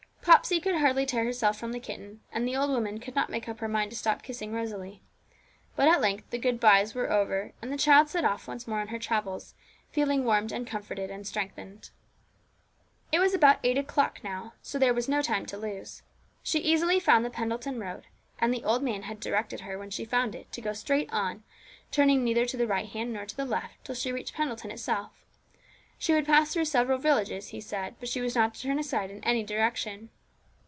Popsey could hardly tear herself from the kitten, and the old woman could not make up her mind to stop kissing Rosalie. But at length the good byes were over, and the child set off once more on her travels, feeling warmed and comforted and strengthened. It was about eight o'clock now, so there was no time to lose. She easily found the Pendleton road, and the old man had directed her when she found it to go straight on, turning neither to the right hand nor to the left, till she reached Pendleton itself. She would pass through several villages, he said, but she was not to turn aside in any direction.